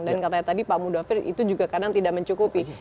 dan katanya tadi pak mudafir itu juga kadang tidak mencukupi